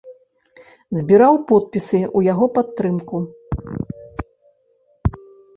Збіраў подпісы ў яго падтрымку.